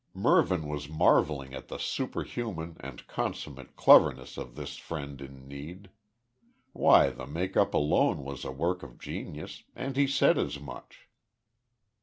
Mervyn was marvelling at the superhuman, and consummate cleverness of this friend in need. Why, the make up alone was a work of genius, and he said as much.